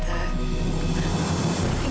tapi mama tetap harus pergi